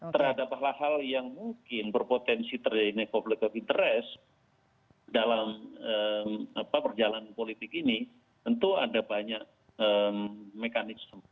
terhadap hal hal yang mungkin berpotensi terjadi nekoblegok interes dalam perjalanan politik ini tentu ada banyak mekanisme